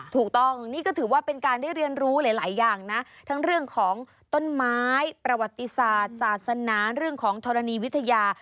ถูกต้องนี่ก็ถือว่าเป็นการได้เรียนรู้หลายอย่างนะทั้งเรื่องของต้นไม้ประวัติศาสตร์ศาสนาเรื่องของธรณีวิทยา